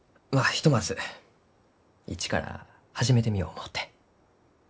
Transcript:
ひとまず一から始めてみよう思うて。